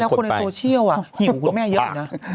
แต่ว่าแล้วคนในโตเชียวหิวคุณแม่เยอะเนี่ย